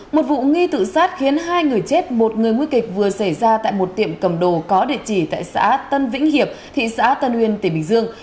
một vụ nghi tự sát khiến hai người chết một người nguy kịch vừa xảy ra tại một tiệm cầm đồ có địa chỉ tại xã tân vĩnh hiệp thị xã tân uyên tỉnh bình dương